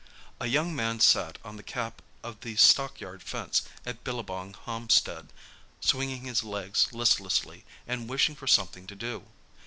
A young man sat on the cap of the stockyard fence at Billabong homestead, swinging his legs listlessly and wishing for something to do.